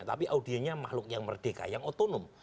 tapi audionya makhluk yang merdeka yang otonom